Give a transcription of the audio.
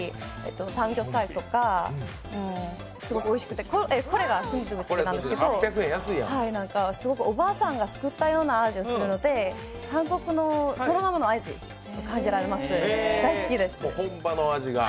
サムギョプサルとかすごくおいしくて、これがスンドゥブチゲなんですけどおばあさんが作ったような味がするので韓国のそのままの味の感じがあります、大好きです。